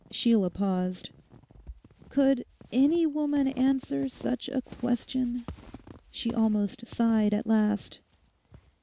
Sheila paused. 'Could any woman answer such a question?' she almost sighed at last.